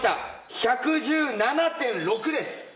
１１７．６です。